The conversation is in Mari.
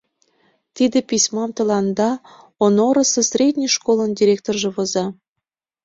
Тиде письмам тыланда Онорысо средний школын директоржо воза.